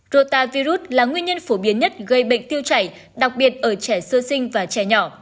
rota virus là nguyên nhân phổ biến nhất gây bệnh tiêu chảy đặc biệt ở trẻ sơ sinh và trẻ nhỏ